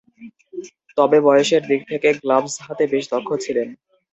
তবে, বয়সের দিক দিয়ে গ্লাভস হাতে বেশ দক্ষ ছিলেন।